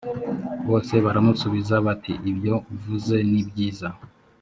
bose baramusubiza bati ibyo uvuze ni byiza